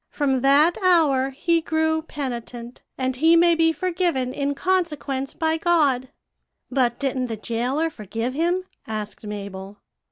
From that hour he grew penitent, and he may be forgiven in consequence by God.' "'But didn't the jailer forgive him?' asked Mabel.